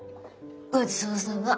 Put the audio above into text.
ごちそうさま。